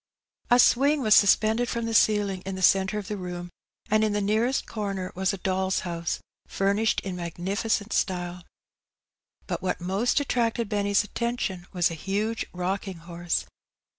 A swing was suspended from the ceiling in the centre of the room, and in the nearest comer was a dolFs house furnished in magnificent style. But what most at tracted Benny's attention was a huge rocking horse.